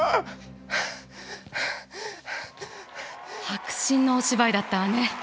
迫真のお芝居だったわね。